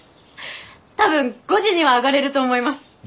多分５時にはあがれると思います。